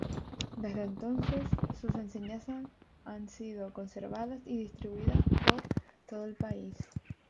Desde entonces sus enseñanzas han sido conservadas y distribuidas por todo el país.